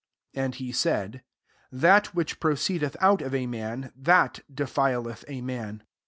00 And he said. " That which proceedeth out of a man, tliat defileth a man.